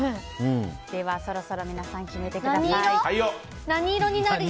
では、そろそろ皆さん決めてください。